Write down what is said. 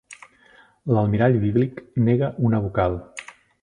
L'almirall bíblic nega una vocal.